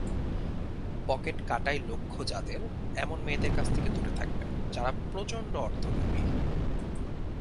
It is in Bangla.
পকেট কাটাই লক্ষ্য যাদেরএমন মেয়েদের কাছ থেকে দূরে থাকবেন, যারা প্রচণ্ড অর্থলোভী।